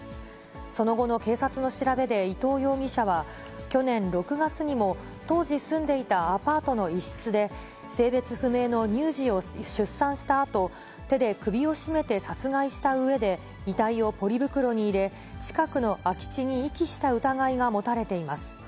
その後の警察の調べで伊藤容疑者は、去年６月にも、当時住んでいたアパートの一室で、性別不明の乳児を出産したあと、手で首を絞めて殺害したうえで遺体をポリ袋に入れ、近くの空き地に遺棄した疑いが持たれています。